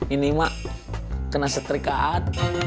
ini mak kena setrika atuh